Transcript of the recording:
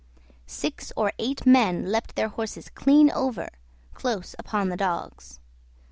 Six or eight men leaped their horses clean over, close upon the dogs.